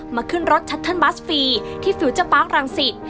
มาขึ้นรถชัตเติ้ลบัสฟรีที่ฟิวเจอร์ปาร์ครังศิษย์